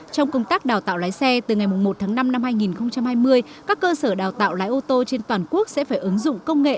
trong công tác đào tạo lái xe từ ngày một tháng năm năm hai nghìn hai mươi các cơ sở đào tạo lái ô tô trên toàn quốc sẽ phải ứng dụng công nghệ